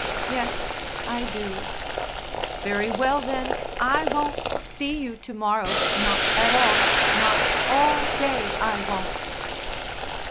"Yes, I do." "Very well, then, I won't see you to morrow not at all not all day I won't."